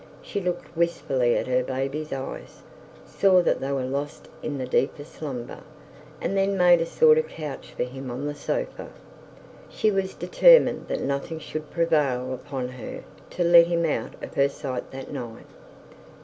She looked wistfully at her baby's eyes, saw that they were lost in the deepest slumber, and then made a sort of couch for him on the sofa. She was determined that nothing should prevail upon her to let him out of her sight that night.